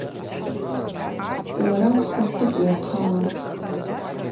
Уара усасыпӏ уахъала.